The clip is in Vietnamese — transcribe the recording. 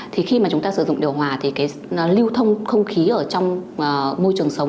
thì khi mà chúng ta sử dụng điều hòa thì cái lưu thông không khí ở trong môi trường sống